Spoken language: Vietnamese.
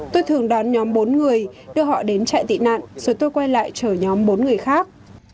tôi thường đón nhóm bốn người đưa họ đến chạy tị nạn rồi tôi quay lại chở nhóm bốn người khác